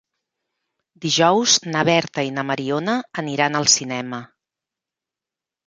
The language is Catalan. Dijous na Berta i na Mariona aniran al cinema.